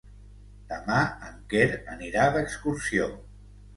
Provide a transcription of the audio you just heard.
Demà en Quer anirà d'excursió.